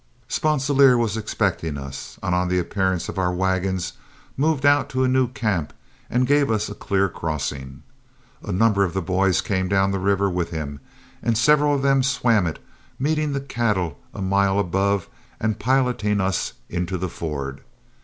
Sponsilier was expecting us, and on the appearance of our wagons, moved out to a new camp and gave us a clear crossing. A number of the boys came down to the river with him, and several of them swam it, meeting the cattle a mile above and piloting us into the ford.